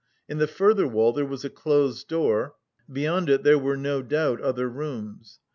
In the further wall there was a closed door, beyond it there were no doubt other rooms.